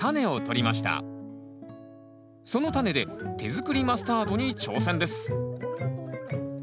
そのタネで手作りマスタードに挑戦です